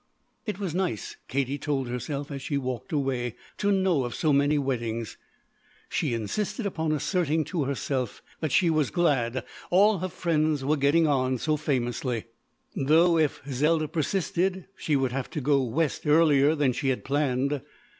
It was nice, Katie told herself as she walked away, to know of so many weddings. She insisted upon asserting to herself that she was glad all her friends were getting on so famously. Though if Zelda persisted, she would have to go West earlier than she had planned.